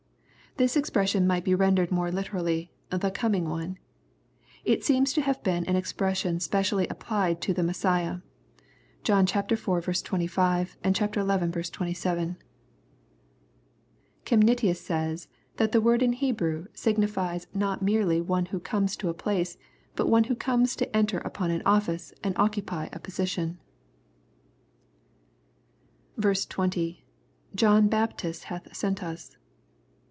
] This expression might be rendered more literally, the coming One." It seems to have been an expression specially applied to the Messiah. John iv. 25, and xi. 27. Chem nitius says, that the word in Hebrew signifies not merely one who comes to a place, but one who comes to enter upon an office, and occupy a position. 20. — {John Baptist hath sent ils.